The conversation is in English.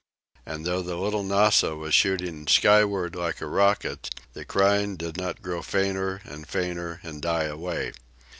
And though the "Little Nassau" was shooting skyward like a rocket, the crying did not grow fainter and fainter and die away.